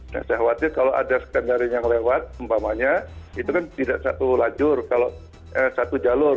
nah saya khawatir kalau ada skenario yang lewat umpamanya itu kan tidak satu lajur kalau satu jalur